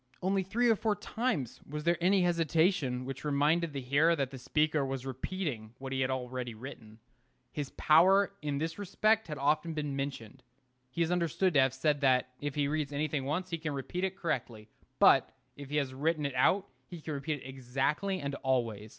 Only three or four times was there any hesitation which reminded the hearer that the speaker was repeating what he had already written. His power in this respect has been often mentioned. He is understood to have said that, if he reads anything once, he can repeat it correctly; but if he has written it out, he can repeat it exactly and always.